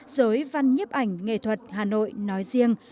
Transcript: giới văn nhiếp ảnh nghệ thuật hà nội nói riêng